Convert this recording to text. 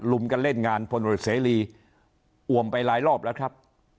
กันเล่นงานพลตรวจเสรีอวมไปหลายรอบแล้วครับ